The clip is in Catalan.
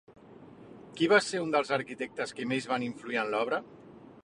Qui va ser un dels arquitectes que més van influir en l'obra?